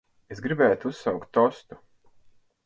Es gribētu uzsaukt tostu.